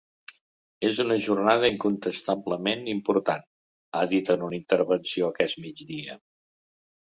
És una jornada incontestablement important, ha dit en una intervenció aquest migdia.